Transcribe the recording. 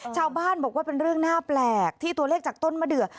ชาวบ้านบอกว่าเป็นเรื่องน่าแปลกที่ตัวเลขจากต้นมะเดือ